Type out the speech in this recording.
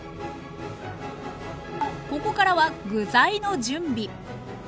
ここからは具材の準備。